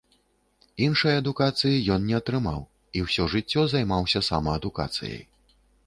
Іншай адукацыі ён не атрымаў, і ўсё жыццё займаўся самаадукацыяй.